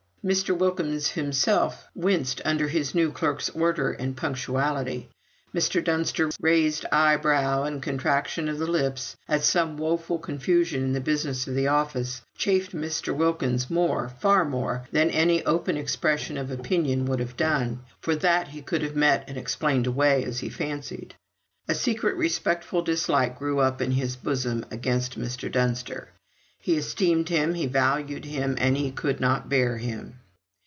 Mr. Wilkins himself winced under his new clerk's order and punctuality; Mr. Dunster's raised eyebrow and contraction of the lips at some woeful confusion in the business of the office, chafed Mr. Wilkins more, far more than any open expression of opinion would have done; for that he could have met, and explained away as he fancied. A secret respectful dislike grew up in his bosom against Mr. Dunster. He esteemed him, he valued him, and he could not bear him.